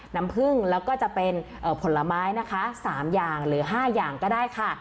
น้ำผึ้งแล้วก็จะเป็นผลไม้นะคะ๓อย่างหรือ๕อย่างก็ได้ค่ะ